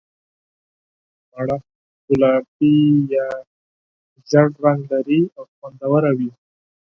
مڼه ګلابي یا ژېړ رنګ لري او خوندوره وي.